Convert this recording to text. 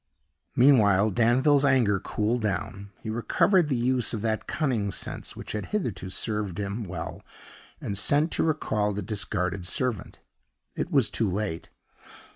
Meanwhile, Danville's anger cooled down; he recovered the use of that cunning sense which had hitherto served him well, and sent to recall the discarded servant. It was too late.